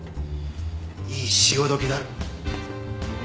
いい潮時だろ。